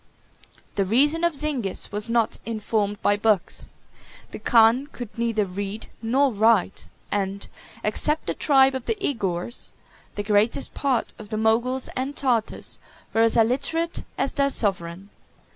The reason of Zingis was not informed by books: the khan could neither read nor write; and, except the tribe of the Igours, the greatest part of the Moguls and Tartars were as illiterate as their sovereign.